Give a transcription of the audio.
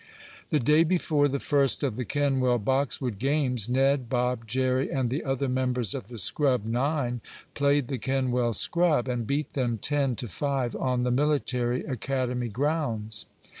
The day before the first of the Kenwell Boxwood games Ned, Bob, Jerry and the other members of the scrub nine, played the Kenwell scrub, and beat them ten to five on the military academy grounds.